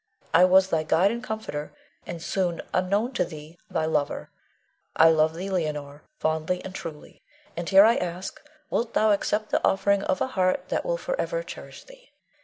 I was thy guide and comforter, and soon, unknown to thee, thy lover. I love thee, Leonore, fondly and truly; and here I ask, wilt thou accept the offering of a heart that will forever cherish thee.